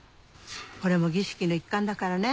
これも儀式の一環だからね。